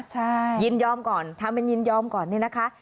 ใช่ยินยอมก่อนทำเป็นยินยอมก่อนเนี่ยนะคะ